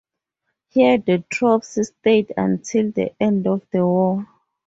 Here the troops stayed until the end of the war.